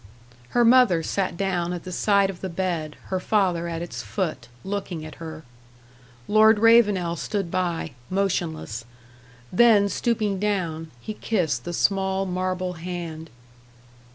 Her mother sat down at the side of the bed, her father at its foot, looking at her. Lord Ravenel stood by, motionless; then stooping down, he kissed the small marble hand.